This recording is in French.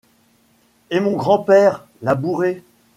Et mon grand-père — la bourrée !—